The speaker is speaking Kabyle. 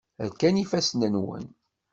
Rkan yifassen-nwen.